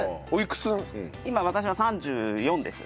今私は３４です。